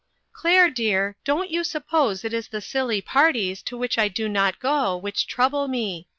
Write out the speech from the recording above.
" Claire, dear, don't you suppose it is the silly parties to which I do not go which trouble me.